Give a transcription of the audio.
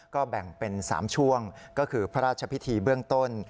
ก็แบ่งเป็น๓ช่วงก็คือพระราชพิธีเบื้องต้น